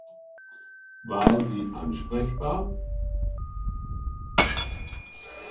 War sie ansprechbar?